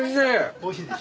おいしいでしょ？